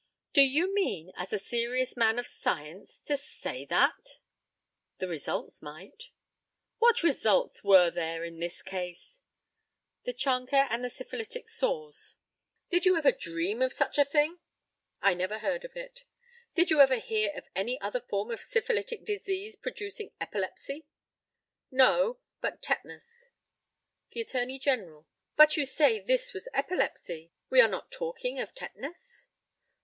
Do you mean, as a serious man of science, to say that? The results might. What results were there in this case? The chancre and the syphilitic sores. Did you ever hear of a chancre causing epilepsy? No. Did you ever dream of such a thing? I never heard of it. Did you ever hear of any other form of syphilitic disease producing epilepsy? No; but tetanus. The ATTORNEY GENERAL: But you say this was epilepsy; we are not talking of tetanus?